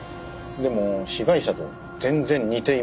でも被害者と全然似ていません。